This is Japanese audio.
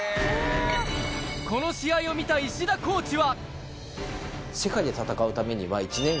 この試合を見た石田コーチは。